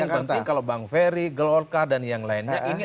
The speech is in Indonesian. yang penting kalau bang ferry gelorka dan yang lainnya